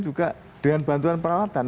juga dengan bantuan peralatan